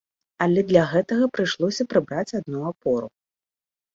Але для гэтага прыйшлося прыбраць адну апору.